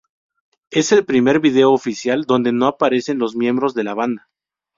Es el primer video oficial donde no aparecen los miembros de la banda.